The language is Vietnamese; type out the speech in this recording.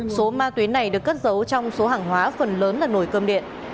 số ma túy này được cất giấu trong số hàng hóa phần lớn là nồi cơm điện